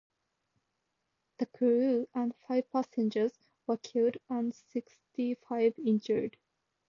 The crew and five passengers were killed and sixty-five injured.